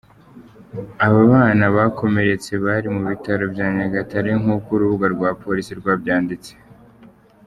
Aba bana bakomeretse bari mu bitaro bya Nyagatare nk’uko urubuga rwa polisi rwabyanditse.